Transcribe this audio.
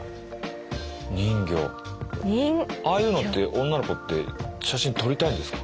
人魚ああいうのって女の子って写真撮りたいんですか？